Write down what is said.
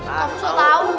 kau bisa tahu